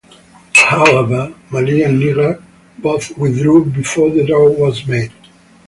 However, Mali and Niger both withdrew before the draw was made.